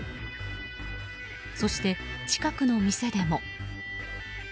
そして、近くの店でも。